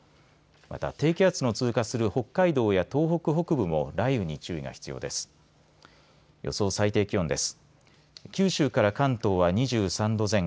また、低気圧の通過する北海道や東北北部も雷雨に注意が必要です。